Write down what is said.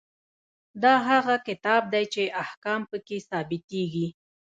دا هغه کتاب دی چې احکام پکې ثبتیږي.